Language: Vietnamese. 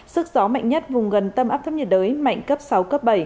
sức gió mạnh nhất vùng gần tâm áp thấp nhiệt đới mạnh cấp sáu cấp bảy